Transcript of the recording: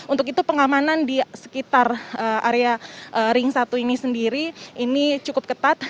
untuk itu pengamanan di sekitar area ring satu ini sendiri ini cukup ketat